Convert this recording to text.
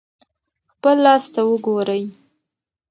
خپل لاس ته وګورئ.